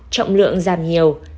trọng lượng giảm nhiều